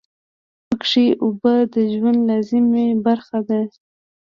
پاکې اوبه د ژوند لازمي برخه دي.